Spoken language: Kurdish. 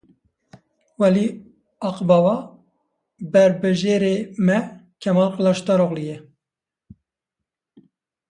Velî Agbaba Berbijêrê me KemalKiliçdaroglu ye.